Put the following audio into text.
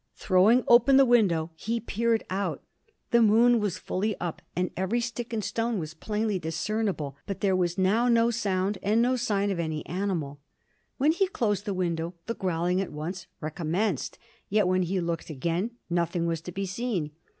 Throwing open the window, he peered out; the moon was fully up and every stick and stone was plainly discernible; but there was now no sound and no sign of any animal. When he had closed the window the growling at once recommenced, yet when he looked again nothing was to be seen.